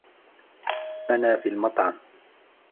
أنا في المطعم.